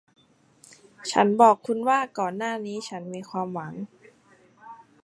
ฉันบอกคุณว่าก่อนหน้านี้ฉันมีความหวัง